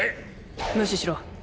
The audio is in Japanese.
無視しろ。